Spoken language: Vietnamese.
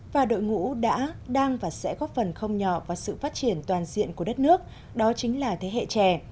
và đội ngũ đã đang và sẽ góp phần không nhỏ vào sự phát triển toàn diện của đất nước đó chính là thế hệ trẻ